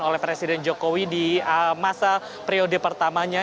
oleh presiden jokowi di masa periode pertamanya